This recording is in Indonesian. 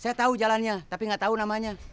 saya tau jalannya tapi gak tau namanya